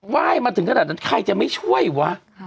ว่ายมาถึงขนาดนั้นใครจะไม่ช่วยวะ